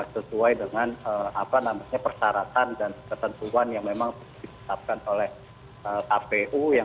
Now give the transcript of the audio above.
sesuai dengan persyaratan dan ketentuan yang memang ditetapkan oleh kpu